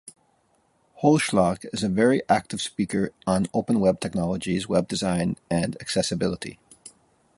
Holzschlag is a very active speaker on Open Web technologies, web design and accessibility.